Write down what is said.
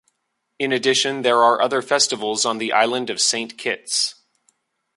In addition, there are other festivals on the island of Saint Kitts.